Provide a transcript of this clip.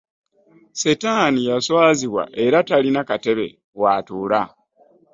Setaani yaswazibwa era talina katebe waatuula.